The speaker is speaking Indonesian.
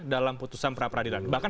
dalam putusan peradilan bahkan